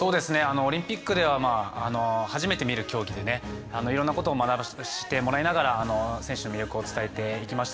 オリンピックでは初めて見る競技でいろんなことを学ばせてもらいながら選手の魅力を伝えてきました。